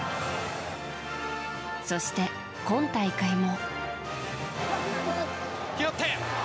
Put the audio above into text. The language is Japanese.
そして、今大会も。